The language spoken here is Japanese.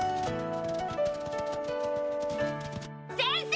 先生！